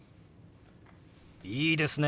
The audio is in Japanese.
いいですね。